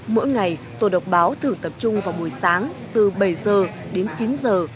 mỗi ngày tổ độc báo thử tập trung vào buổi sáng từ bảy giờ đến chín giờ